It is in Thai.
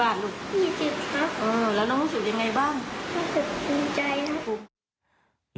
แล้วน้องคุณคิดอย่างไรบ้าง